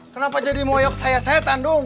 kenapa jadi moyok saya setan dung